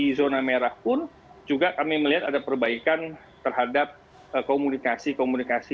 di zona merah pun juga kami melihat ada perbaikan terhadap komunikasi komunikasi